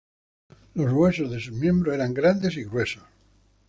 Los huesos de sus miembros eran grandes y gruesos.